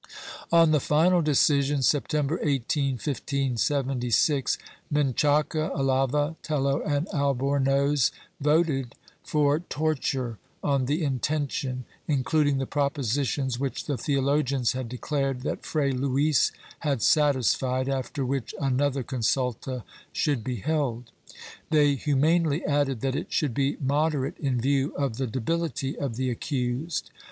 On the final decision, September IS, 1576, Menchaca, Alava, Tello and Albornoz voted for torture on the intention, including the propositions which the theologians had declared that Fray Luis had satisfied, after which another consulta should be held. They humanely added that it should be moderate in view of the debility of the accused.